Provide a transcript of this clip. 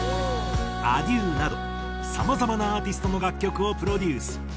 ａｄｉｅｕなどさまざまなアーティストの楽曲をプロデュース。